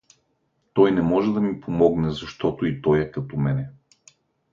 Той не може да ми помогне, защото и той е като мене.